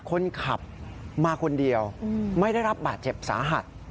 คนขับมาคนเดียวไม่ได้รับบาดเจ็บสาหัส